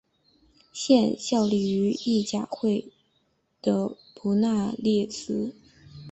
现效力于意甲球会那不勒斯。